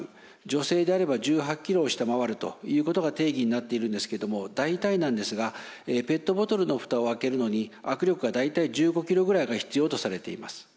女性であれば１８ｋｇを下回るということが定義になっているんですけども大体なんですがペットボトルの蓋を開けるのに握力が大体１５ｋｇぐらいが必要とされています。